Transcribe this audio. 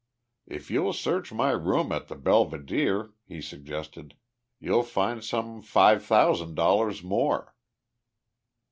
"If you'll search my room at the Belvedere," he suggested, "you'll find some five thousand dollars more."